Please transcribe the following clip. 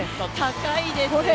高いです。